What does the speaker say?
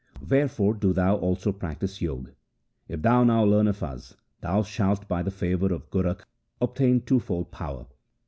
Wherefore do thou also practise Jog. If thou now learn of us, thou shalt by the favour of Gorakh obtain twofold power.'